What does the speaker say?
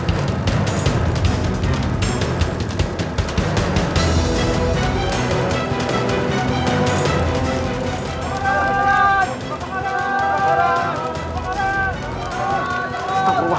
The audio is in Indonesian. assalamualaikum warahmatullahi wabarakatuh